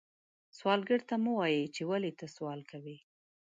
سوالګر ته مه وایې چې ولې ته سوال کوې